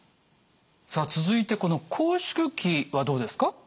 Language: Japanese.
さあ続いてこの拘縮期はどうですか？